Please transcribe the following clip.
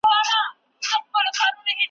ذهني تمرینونه وکړئ.